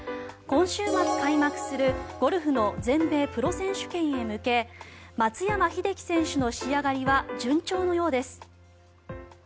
今週末開幕するゴルフの全米プロ選手権へ向け松山英樹選手の仕上がりは順調のようです。